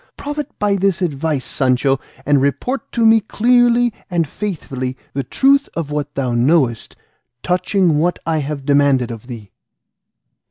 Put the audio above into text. Profit by this advice, Sancho, and report to me clearly and faithfully the truth of what thou knowest touching what I have demanded of thee."